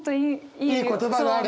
いい言葉があれば？